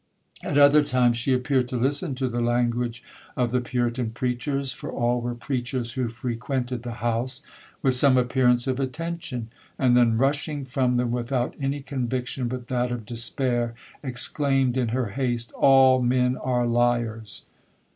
'At other times she appeared to listen to the language of the Puritan preachers (for all were preachers who frequented the house) with some appearance of attention, and then, rushing from them without any conviction but that of despair, exclaimed in her haste, 'All men are liars!'